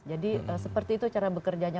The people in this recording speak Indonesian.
seperti itu cara bekerjanya